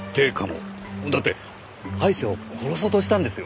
だってアイシャを殺そうとしたんですよ！？